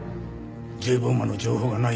Ｊ・ボマーの情報がない